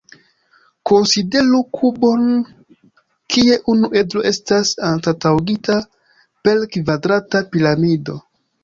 Konsideru kubon kie unu edro estas anstataŭigita per kvadrata piramido.